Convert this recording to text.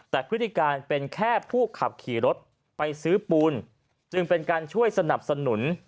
แต่พฤติการเป็นแค่ผู้ขับขี่รถไปซื้อปูนจึงเป็นการช่วยสนับสนุน